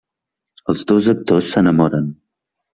Els dos actors s'enamoren.